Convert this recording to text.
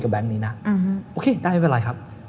กับแบงค์เนี่ยนะโอเคได้ไม่เป็นไร